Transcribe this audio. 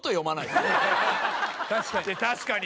確かに。